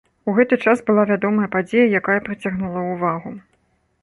У гэты час была вядомая падзея, якая прыцягнула ўвагу.